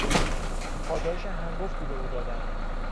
پاداش هنگفتی به او دادند.